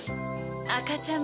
あかちゃん